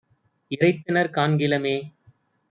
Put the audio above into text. இறைத்தனர் காண்கிலமே.